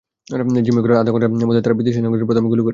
জিম্মি করার আধা ঘণ্টার মধ্যেই তারা বিদেশি নাগরিকদের প্রথমে গুলি করে।